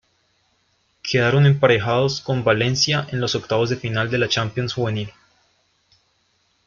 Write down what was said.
Quedaron emparejados con Valencia en los octavos de final de la Champions Juvenil.